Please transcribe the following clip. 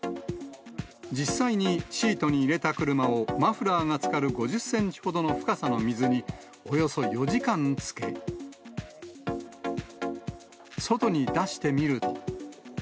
実際にシートに入れた車を、マフラーがつかる５０センチほどの深さの水におよそ４時間つけ、外に出してみると。